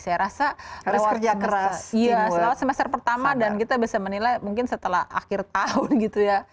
saya rasa lewat kerja keras lewat semester pertama dan kita bisa menilai mungkin setelah akhir tahun gitu ya